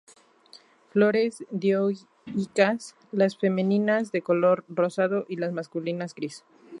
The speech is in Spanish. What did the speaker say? Flores dioicas, las femeninas de color rosado y las masculinas gris.